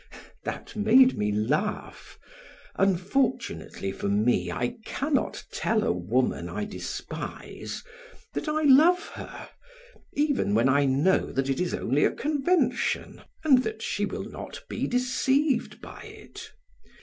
That made me laugh. Unfortunately for me I can not tell a woman whom I despise that I love her, even when I know that it is only a convention and that she will not be deceived by it.